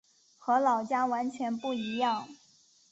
和老家完全不一样